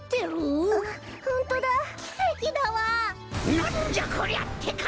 なんじゃこりゃってか！